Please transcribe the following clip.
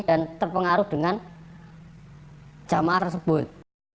dan terpengaruh dengan jamaah tersebut